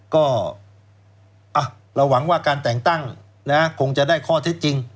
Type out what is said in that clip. ก็เราหวังว่าการแต่งตั้งคงจะได้ข้อเท็จจริง